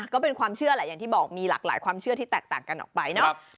ก็เป็นความเชื่อแหละอย่างที่บอกมีหลากหลายความเชื่อที่แตกต่างกันออกไปเนาะ